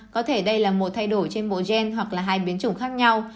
có thể đây là một thay đổi trên bộ gen hoặc là hai biến chủng khác nhau